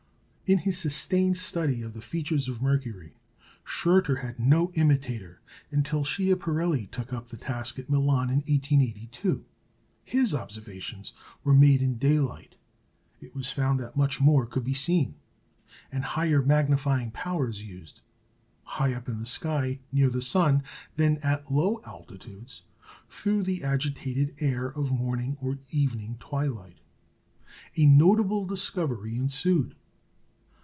In his sustained study of the features of Mercury, Schröter had no imitator until Schiaparelli took up the task at Milan in 1882. His observations were made in daylight. It was found that much more could be seen, and higher magnifying powers used, high up in the sky near the sun, than at low altitudes, through the agitated air of morning or evening twilight. A notable discovery ensued.